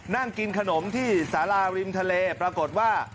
นั่งกินขนมที่สาราริมทะเลปรากฏว่า